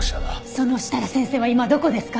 その設楽先生は今どこですか！？